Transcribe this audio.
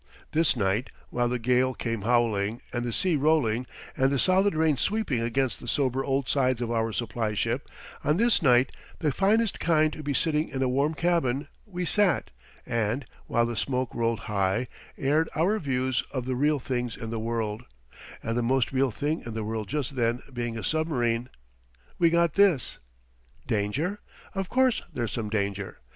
This night, while the gale came howling and the sea rolling and the solid rain sweeping against the sober old sides of our supply ship on this night, the finest kind to be sitting in a warm cabin, we sat and, while the smoke rolled high, aired our views of the real things in the world; and the most real thing in the world just then being a submarine, we got this: "Danger? Of course, there's some danger.